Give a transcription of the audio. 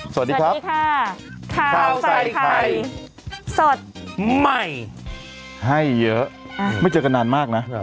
สวัสดีครับสวัสดีค่ะข้าวใส่ไข่สดใหม่ให้เยอะไม่เจอกันนานมากนะ